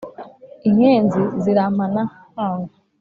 inkenzi zirampana nkanga